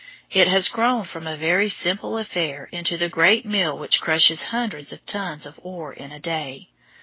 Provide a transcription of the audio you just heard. It has grown from a very simple affair into the great mill which crushes hundreds of tons of ore in a day.